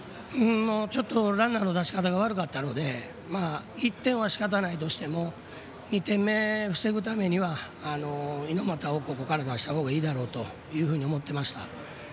ちょっとランナーの出し方が悪かったので１点は仕方ないとしても２点目を防ぐためには猪俣をここから出した方がいいだろうと思ってました。